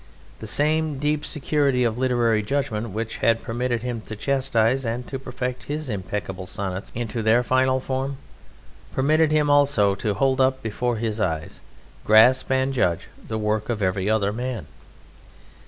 The same deep security of literary judgment which had permitted him to chastise and to perfect his impeccable sonnets into their final form permitted him also to hold up before his eyes, grasp, and judge the work of every other man.